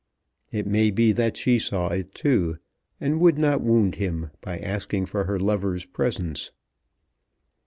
It may be that she saw it too, and would not wound him by asking for her lover's presence.